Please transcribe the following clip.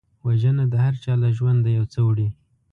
وژنه د هرچا له ژونده یو څه وړي